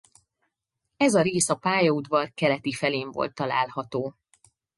Ez a rész a pályaudvar keleti felén volt található.